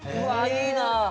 いいな。